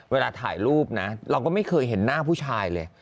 เวลาถ่ายรูปนะเราก็ไม่เคยเห็นหน้าผู้ชายเลย